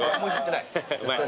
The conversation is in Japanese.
うまい。